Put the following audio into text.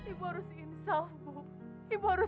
ibu mau ke mana